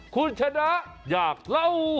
คุณชนะอยากเล่า